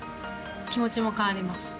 気持ちも変わります。